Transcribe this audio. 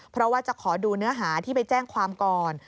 เพราะว่าจะขอดูเนื้อหาที่ไปแจ้งความก่อน